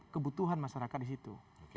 kebutuhan masyarakat di situ